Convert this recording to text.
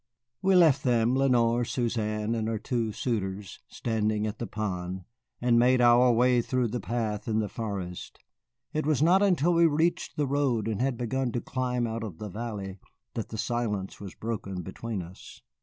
We left them, Lenoir, Suzanne, and her two suitors, standing at the pond, and made our way through the path in the forest. It was not until we reached the road and had begun to climb out of the valley that the silence was broken between us.